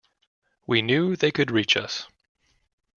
We knew they could reach us.